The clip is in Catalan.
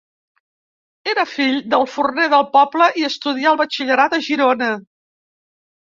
Era fill del forner del poble i estudià el batxillerat a Girona.